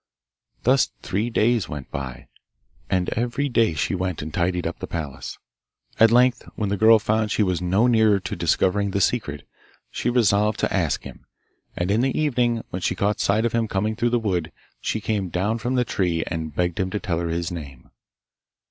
Thus three days went by, and every day she went and tidied up the palace. At length, when the girl found she was no nearer to discovering the secret, she resolved to ask him, and in the evening when she caught sight of him coming through the wood she came down from the tree and begged him to tell her his name.